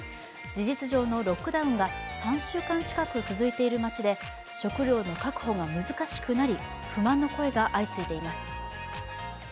事実上のロックダウンが３週間近く続いている街で食料の確保が難しくなり不満の声が相次いでいます。